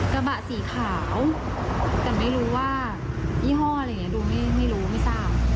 กระบะสีขาวแต่ไม่รู้ว่ายี่ห้ออะไรอย่างนี้ดูไม่รู้ไม่ทราบ